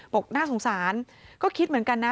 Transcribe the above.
น่าสงสารก็คิดเหมือนกันนะ